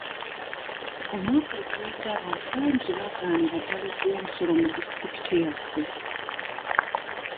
Omwaka oguwedde, abantu bangi baagaanira ddala okuwa omusolo mu disitulikiti yaffe.